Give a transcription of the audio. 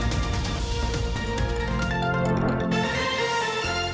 สวัสดีค่ะ